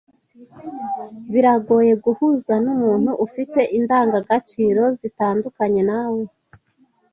Biragoye guhuza numuntu ufite indangagaciro zitandukanye nawe.